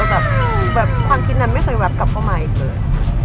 แล้วก็ความคิดนั้นไม่เคยแวปกลับกลับกลับมาอีกเลย